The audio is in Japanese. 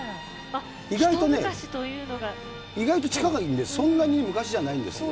意外とね、意外と近いんで、そんなに昔じゃないんですよ。